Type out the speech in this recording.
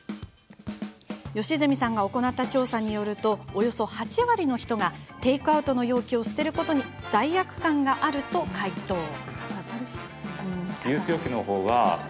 善積さんが行った調査によるとおよそ８割の人がテイクアウトの容器を捨てることに罪悪感があると回答。